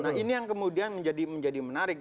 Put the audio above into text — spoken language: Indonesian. nah ini yang kemudian menjadi menarik